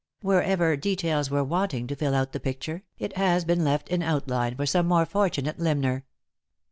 Wherever details were wanting to fill out the picture, it has been left in outline for some more fortunate limner.